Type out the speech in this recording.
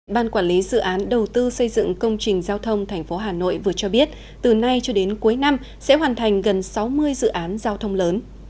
ban quản lý dự án đầu tư xây dựng công trình giao thông tp hà nội vừa cho biết từ nay cho đến cuối năm sẽ hoàn thành gần sáu mươi dự án giao thông lớn